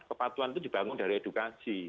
kepatuan itu dibangun dari edukasi